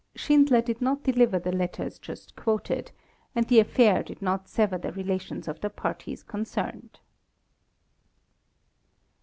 Schindler did not deliver the letters just quoted, and the affair did not sever the relations of the parties concerned.